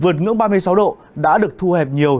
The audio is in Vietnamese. vượt ngưỡng ba mươi sáu độ đã được thu hẹp nhiều